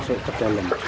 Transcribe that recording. masuk ke dalam